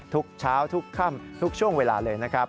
ทุกเช้าทุกค่ำทุกช่วงเวลาเลยนะครับ